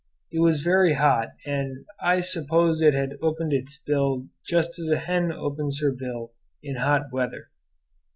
It was very hot, and I suppose it had opened its bill just as a hen opens her bill in hot weather.